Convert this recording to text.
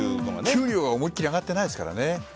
給料は思いきり上がってないですからね。